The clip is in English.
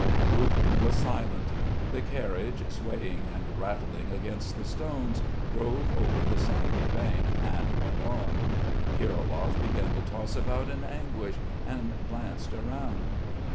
Aboguin was silent. The carriage, swaying and rattling against the stones, drove over the sandy bank and went on. Kirilov began to toss about in anguish, and glanced around.